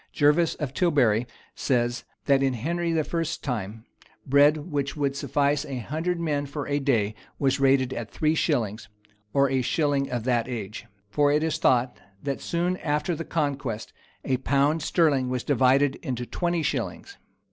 [] Gervas of Tilbury says, that in Henry I's time, bread which would suffice a hundred men for a day was rated at three shillings, or a shilling of that age: for it is thought that soon after the conquest a pound sterling was divided into twenty shillings.